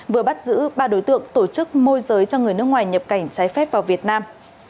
vừa bắt giữ ba đối tượng tổ chức môi giới cho người nước ngoài nhập cảnh trái phép vào việt nam